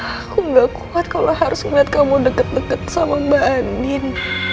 aku gak kuat kalau harus melihat kamu deket deket sama mbak andin